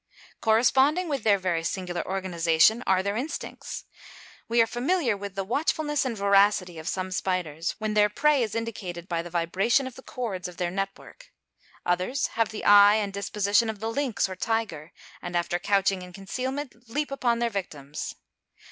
Corresponding with their very singular organisation are their instincts. We are familiar with the watchfulness and voracity of some spiders, when their prey is indicated by the vibration of the cords of their net work. Others have the eye and disposition of the lynx or tiger, and after couching in concealment, leap upon their victims.